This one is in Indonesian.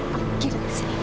pergi dari sini